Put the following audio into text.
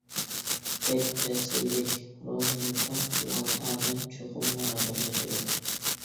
بەك تەسىرلىك. روھىنى پاك قىلغان ئادەم چوقۇم مۇرادىغا يېتىدۇ.